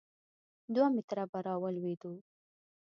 دوه متره به راولوېدو.